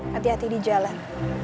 hati hati di jalan